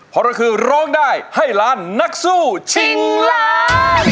เพราะเราคือร้องได้ให้ล้านนักสู้ชิงล้าน